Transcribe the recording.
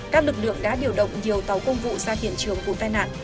các lực lượng đã điều động nhiều tàu công vụ ra hiện trường vụ tai nạn